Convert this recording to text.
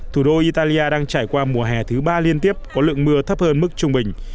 thủ đô italia đang trải qua mùa hè thứ ba liên tiếp có lượng mưa thấp hơn mức trung bình